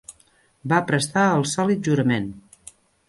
Va prestar el sòlit jurament.